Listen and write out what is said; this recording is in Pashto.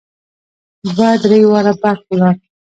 دوه درې واره برق ولاړ.